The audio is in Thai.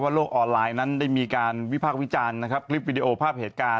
โลกออนไลน์นั้นได้มีการวิพากษ์วิจารณ์นะครับคลิปวิดีโอภาพเหตุการณ์